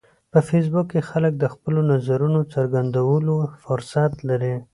په فېسبوک کې خلک د خپلو نظرونو د څرګندولو فرصت لري